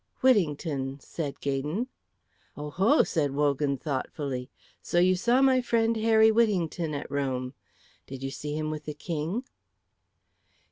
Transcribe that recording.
"Whittington," said Gaydon. "Oho!" said Wogan, thoughtfully. "So you saw my friend Harry Whittington at Rome. Did you see him with the King?"